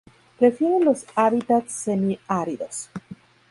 Prefieren los hábitats semi-áridos.